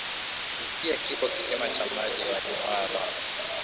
pia kipo kisima cha maji wa Newala